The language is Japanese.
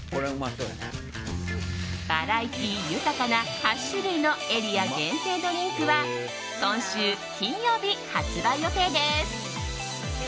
バラエティー豊かな８種類のエリア限定ドリンクは今週金曜日、販売予定です。